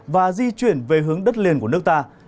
và di chuyển về hướng đất liền của nước ta